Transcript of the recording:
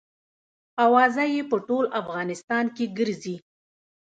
اوازه یې په ټول افغانستان کې ګرزي.